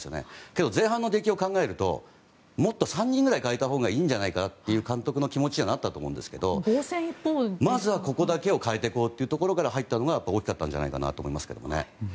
けど前半の出来を考えるともっと３人ぐらい代えたほうがいいんじゃないかなという監督の気持ちにはなったと思うんですけど、まずはここだけ代えていこうというところから入ったのが、大きかったのではと思いますけどね。